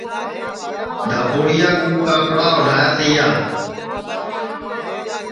دھپُوڑِیا کُو کاپڑا اُڈایا تیا